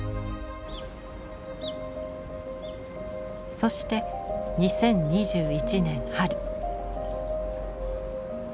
そして２０２１年春。